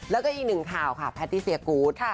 แล้วก็อีกหนึ่งข่าวค่ะแพตตี้เซียกูธ